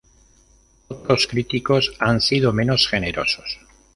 Otros críticos han sido menos generosos.